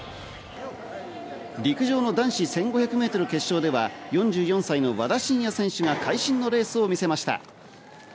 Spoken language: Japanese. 陸上の男子１５００ｍ決勝では４４歳の和田伸也選手が会心のレースを見せました。